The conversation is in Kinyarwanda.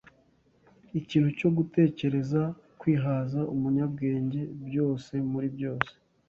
Ikintu cyo gutekereza, kwihaza, Umunyabwenge Byose-muri-byose!